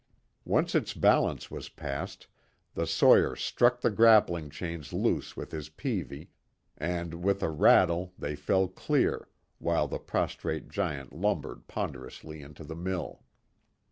Once its balance was passed, the sawyer struck the grappling chains loose with his peavey, and, with a rattle, they fell clear, while the prostrate giant lumbered ponderously into the mill.